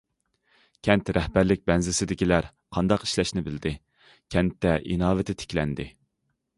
كەنت رەھبەرلىك بەنزىسىدىكىلەر قانداق ئىشلەشنى بىلدى، كەنتتە ئىناۋىتى تىكلەندى.